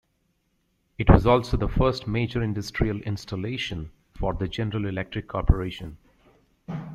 It was also the first major industrial installation for the General Electric corporation.